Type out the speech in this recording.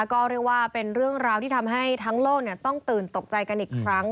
ก็เรียกว่าเป็นเรื่องราวที่ทำให้ทั้งโลกต้องตื่นตกใจกันอีกครั้ง